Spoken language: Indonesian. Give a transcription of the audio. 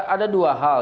ada dua hal